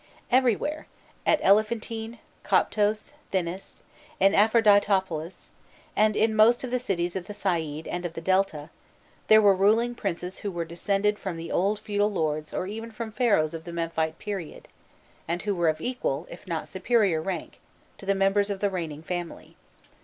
Everywhere, at Elephantine, Koptos, Thinis, in Aphroditopolis, and in most of the cities of the Said and of the Delta, there were ruling princes who were descended from the old feudal lords or even from Pharaohs of the Memphite period, and who were of equal, if not superior rank, to the members of the reigning family.